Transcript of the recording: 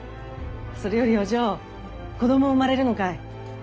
それよりお嬢子ども生まれるのかい？